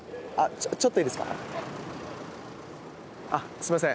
すいません。